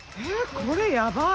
これ、やばい。